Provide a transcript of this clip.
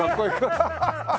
アハハハ！